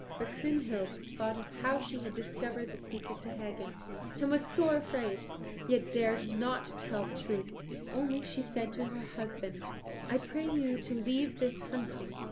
But Kriemhild thought of how she had discovered the secret to Hagen, and was sore afraid, yet dared not tell the truth. Only she said to her husband, "I pray you to leave this hunting.